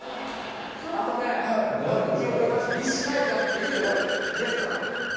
あとね記憶が正しければ「西海岸」っていうレストランがある。